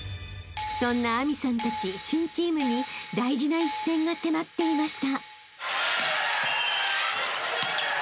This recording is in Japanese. ［そんな明未さんたち新チームに大事な一戦が迫っていました］